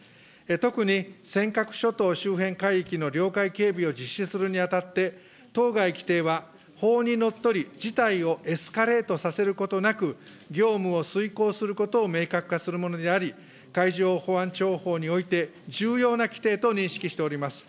特に尖閣諸島周辺海域の領海警備を実施するにあたって、当該規定は法にのっとり、事態をエスカレートさせることなく、業務を遂行することを明確化するものであり、海上保安庁法において重要な規定と認識しております。